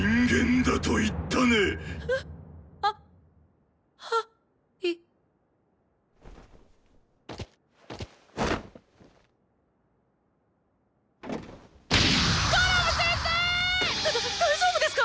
だだ大丈夫ですか